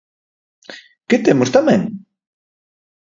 ¿Que temos tamén?